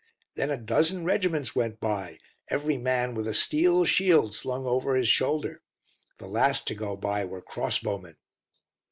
Then a dozen regiments went by, every man with a steel shield slung over his shoulder. The last to go by were cross bowmen."